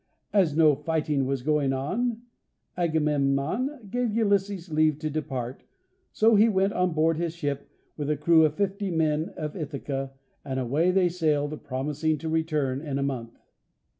As no fighting was going on, Agamemnon gave Ulysses leave to depart, so he went on board his ship, with a crew of fifty men of Ithaca, and away they sailed, promising to return in a month.